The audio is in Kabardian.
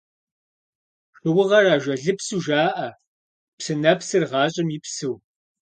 Шыугъэр ажалыпсу жаӀэ, псынэпсыр – гъащӀэм и псыу.